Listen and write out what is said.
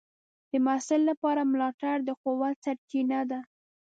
د محصل لپاره ملاتړ د قوت سرچینه ده.